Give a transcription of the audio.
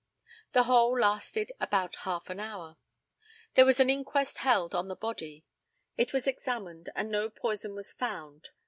The whole lasted about half an hour. There was an inquest held on the body. It was examined, and no poison was found.